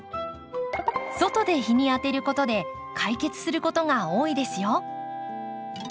外で日に当てることで解決することが多いですよ。